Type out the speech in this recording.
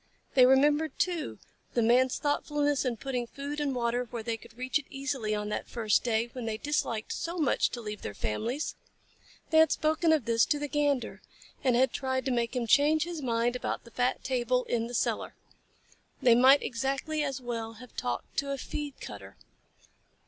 They remembered, too, the Man's thoughtfulness in putting food and water where they could reach it easily on that first day, when they disliked so much to leave their families. They had spoken of this to the Gander, and had tried to make him change his mind about the fat table in the cellar. They might exactly as well have talked to a feed cutter.